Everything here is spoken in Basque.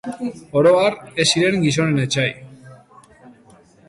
Oro har, ez ziren gizonen etsai.